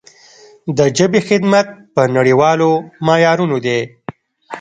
د ژبې خدمت په نړیوالو معیارونو دی.